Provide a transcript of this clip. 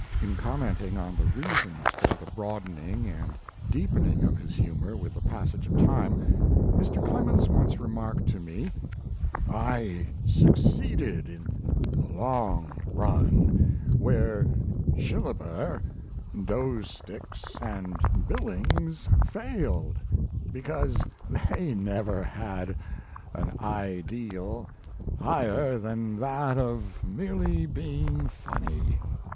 In commenting on the reasons for the broadening and deepening of his humour with the passage of time, Mr. Clemens once remarked to me: "I succeeded in the long run, where Shillaber, Doesticks, and Billings failed, because they never had an ideal higher than that of merely being funny.